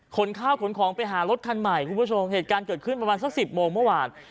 ข้าวขนของไปหารถคันใหม่คุณผู้ชมเหตุการณ์เกิดขึ้นประมาณสักสิบโมงเมื่อวาน